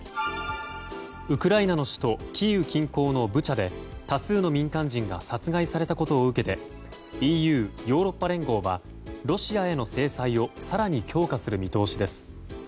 ウクライナの首都キーウ近郊のブチャで多数の民間人が殺害されたことを受けてＥＵ・ヨーロッパ連合はロシアへの制裁を更に強化する見通しです。